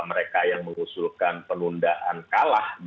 mereka yang mengusulkan penundaan kalah